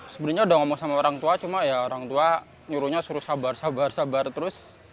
sebenarnya udah ngomong sama orang tua cuma ya orang tua nyuruhnya suruh sabar sabar sabar terus